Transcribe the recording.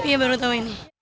iya baru tahu ini